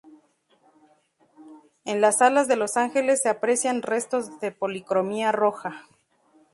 En las alas de los ángeles se aprecian restos de policromía roja.